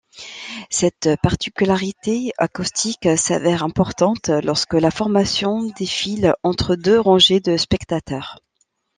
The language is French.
Cette particularité acoustique s'avère importante lorsque la formation défile entre deux rangées de spectateurs.